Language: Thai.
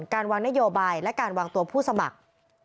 การวางนโยบายและการวางตัวผู้สมัคร